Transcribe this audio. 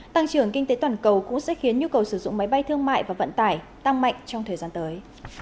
tăng trưởng kinh tế toàn cầu cũng sẽ khiến nhu cầu sử dụng máy bay thương mại và vận tải tăng mạnh trong thời gian tới